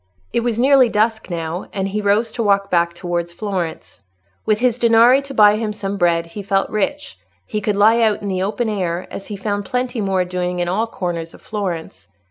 It was nearly dusk now, and he rose to walk back towards Florence. With his danari to buy him some bread, he felt rich: he could lie out in the open air, as he found plenty more doing in all corners of Florence.